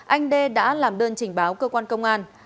anh đê đã làm đơn trình báo cơ quan công an